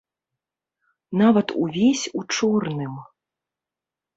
Нават увесь у чорным.